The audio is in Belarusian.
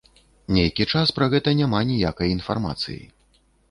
Нейкі час пра гэта няма ніякай інфармацыі.